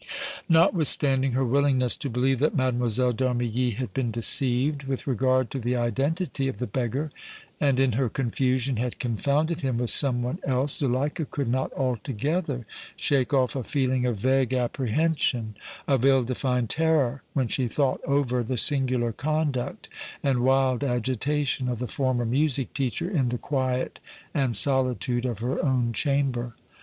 Notwithstanding her willingness to believe that Mlle. d' Armilly had been deceived with regard to the identity of the beggar and, in her confusion, had confounded him with some one else, Zuleika could not altogether shake off a feeling of vague apprehension, of ill defined terror when she thought over the singular conduct and wild agitation of the former music teacher in the quiet and solitude of her own chamber.